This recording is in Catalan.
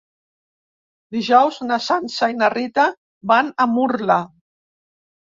Dijous na Sança i na Rita van a Murla.